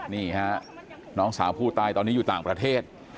นี่ฮะน้องสาวผู้ตายตอนนี้อยู่ต่างประเทศ